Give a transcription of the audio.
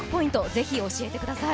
ぜひ教えてください。